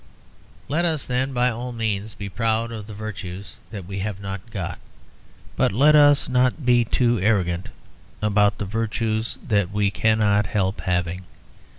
Let us then, by all means, be proud of the virtues that we have not got; but let us not be too arrogant about the virtues that we cannot help having.